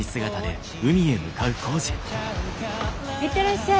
行ってらっしゃい。